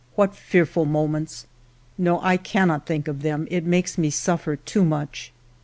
What fearful moments ! No, I cannot think of them ; it makes me suffer too much.